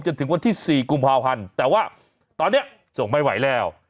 จนถึงวันที่๔กุมภาพันธ์แต่ว่าตอนนี้ส่งไม่ไหวแล้ว